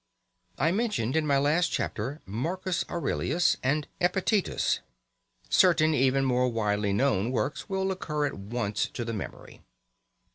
I mentioned in my last chapter Marcus Aurelius and Epictetus. Certain even more widely known works will occur at once to the memory.